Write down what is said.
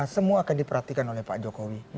semua akan diperhatikan oleh pak jokowi